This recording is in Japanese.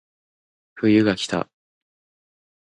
冬がきた